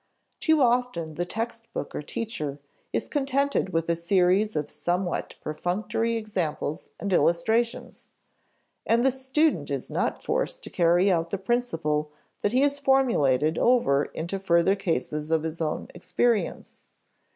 Too often the text book or teacher is contented with a series of somewhat perfunctory examples and illustrations, and the student is not forced to carry the principle that he has formulated over into further cases of his own experience.